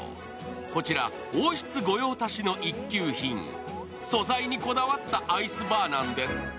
こちら、王室御用達の一級品、素材にこだわったアイスバーなんです。